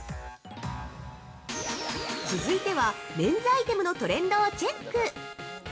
続いては、メンズアイテムのトレンドをチェック。